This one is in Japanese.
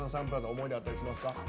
思い出あったりしますか？